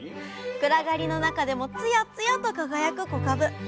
暗がりの中でもつやつやと輝く小かぶ。